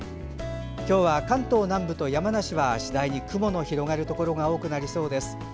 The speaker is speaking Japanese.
今日は関東南部と山梨は次第に雲の広がるところが多くなりそうです。